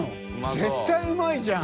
絶対うまいじゃん！